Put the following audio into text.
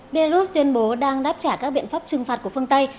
belarus tuyên bố đang đáp trả các biện pháp trừng phạt của phương tây